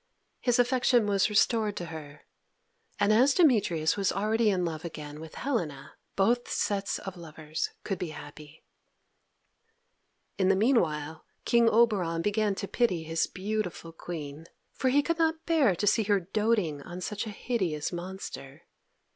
His affection was restored to her, and as Demetrius was already in love again with Helena, both sets of lovers could be happy. In the meanwhile, King Oberon began to pity his beautiful Queen, for he could not bear to see her doating on such a hideous monster.